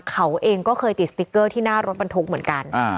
เขาเองก็เคยติดสติ๊กเกอร์ที่หน้ารถบรรทุกเหมือนกัน